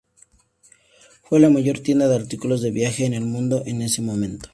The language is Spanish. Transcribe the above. Fue la mayor tienda de artículos de viaje en el mundo en ese momento.